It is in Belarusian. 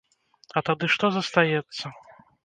А тады што застаецца?